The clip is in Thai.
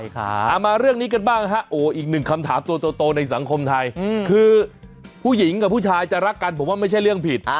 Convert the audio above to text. เอามาเรื่องนี้กันบ้างฮะโอ้อีกหนึ่งคำถามตัวโตในสังคมไทยคือผู้หญิงกับผู้ชายจะรักกันผมว่าไม่ใช่เรื่องผิด